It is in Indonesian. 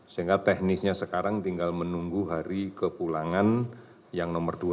sehingga teknisnya sekarang tinggal menunggu hari kepulangan yang nomor dua